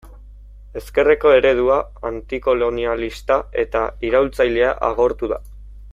Ezkerreko eredua, antikolonialista eta iraultzailea agortu da.